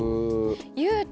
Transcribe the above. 雄太